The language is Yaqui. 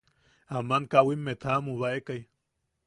Aman kawimmet jaʼamubaekai.